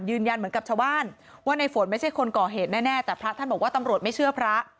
ยืนยันเหมือนกับชาวบ้านว่าในฝนไม่ใช่คนก่อเหตุแน่แต่พระท่านบอกว่าตำรวจไม่เชื่อพระ